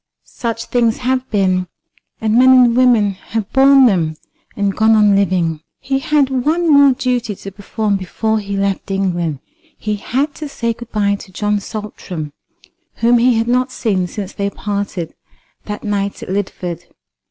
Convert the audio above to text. Such things have been; and men and women have borne them, and gone on living." He had one more duty to perform before he left England. He had to say good bye to John Saltram, whom he had not seen since they parted that night at Lidford.